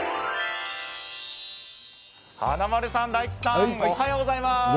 華丸さん、大吉さんおはようございます。